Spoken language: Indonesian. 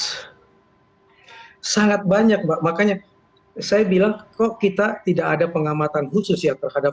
hai sangat banyak mbak makanya saya bilang kok kita tidak ada pengamatan khusus ya terhadap